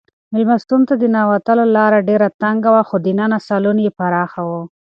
مېلمستون ته د ننوتلو لاره ډېره تنګه وه خو دننه سالون یې پراخه و.